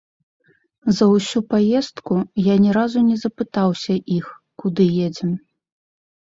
За ўсю паездку я ні разу не запытаўся іх, куды едзем.